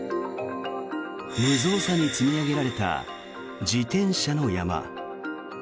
無造作に積み上げられた自転車の山。